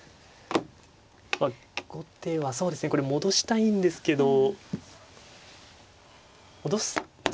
まあ後手はそうですねこれ戻したいんですけど戻すとやはり。